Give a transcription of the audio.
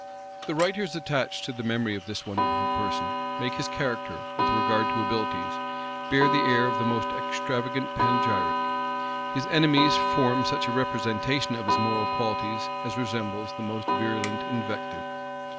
The writers attached to the memory of this wonderful person, make his character, with regard to abilities, bear the air of the most extravagant panegyric: his enemies form such a representation of his moral qualities as resembles the most virulent invective.